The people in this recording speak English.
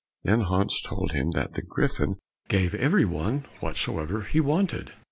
Then Hans told him that the Griffin gave every one whatsoever he wanted.